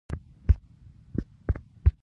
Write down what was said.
ساړه جنګ دوران صنعتي هېوادونو فرصت ورکړ